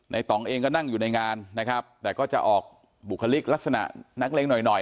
ต่องเองก็นั่งอยู่ในงานนะครับแต่ก็จะออกบุคลิกลักษณะนักเลงหน่อยหน่อย